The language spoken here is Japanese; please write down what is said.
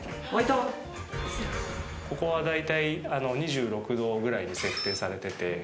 ここはだいたい２６℃ぐらいに設定されてて。